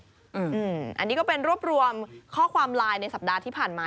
อันนี้ก็เป็นรวบรวมข้อความไลน์ในสัปดาห์ที่ผ่านมา